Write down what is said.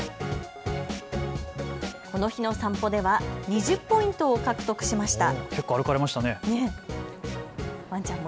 この日の散歩では２０ポイントを獲得しました。